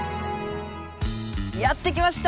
やって来ました！